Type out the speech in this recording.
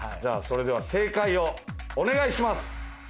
それでは正解をお願いします。